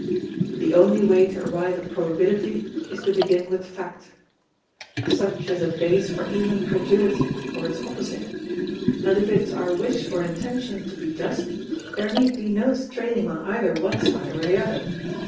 The only way to arrive at probability is to begin with fact. Such is a base for even credulity or its opposite, and if it is our wish or intention to be just there need be no straining on either one side or the other.